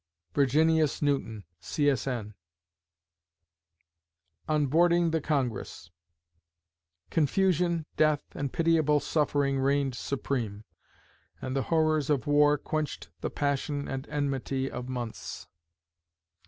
VIRGINIUS NEWTON, C. S. N. On Boarding the Congress: Confusion, death, and pitiable suffering reigned supreme; and the horrors of war quenched the passion and enmity of months.